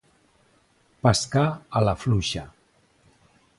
Pescar a la fluixa.